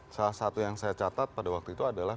salah satu yang saya catat pada waktu itu adalah